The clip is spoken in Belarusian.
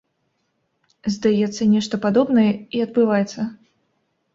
Здаецца, нешта падобнае і адбываецца.